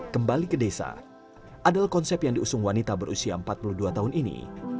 kembali ke desa adalah konsep yang diusung wanita berusia empat puluh dua tahun ini